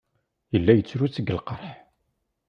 Yella yettru seg lqerḥ.